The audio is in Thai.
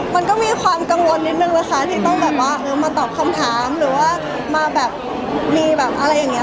มันก็มีความกังวลนิดนึงนะคะที่ต้องแบบว่ามาตอบคำถามหรือว่ามาแบบมีแบบอะไรอย่างนี้